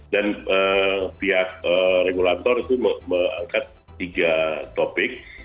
dan pihak regulator itu mengangkat tiga topik